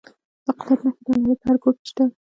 د قدرت نښې د نړۍ په هر ګوټ کې شته.